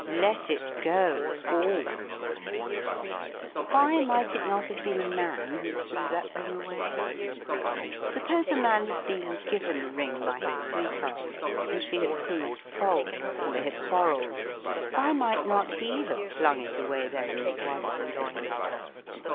Let it go — all ! Why might it not have been a man who threw that ring away ? Suppose a man had been given a ring by his sweet heart, and she had proved false, and they had quarrelled, why might not he have flung it away there in the Bois de Boulogne.?